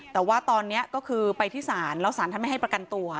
แต่ว่าตอนนี้ก็คือไปที่ศาลแล้วศาลท่านไม่ให้ประกันตัว